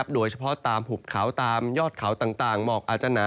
โดยเฉพาะตามหุบเขาตามยอดเขาต่างหมอกอาจจะหนา